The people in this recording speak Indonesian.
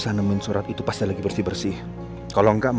aku mau ngurusin kamu